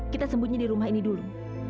kita sebutnya di rumah ini dulu